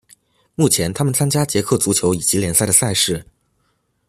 目前他们参加捷克足球乙级联赛的赛事。